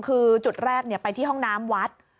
คือจุดแรกไปที่ห้องน้ำวัด